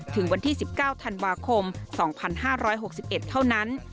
ถึงวันที่๑๙ธันวาคม๒๕๖๑เท่านั้น